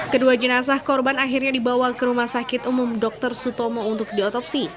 kedua jenazah korban akhirnya dibawa ke rumah sakit umum dr sutomo untuk diotopsi